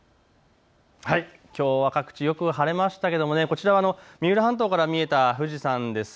きょうは各地よく晴れましたけれどこちら三浦半島から見えた富士山です。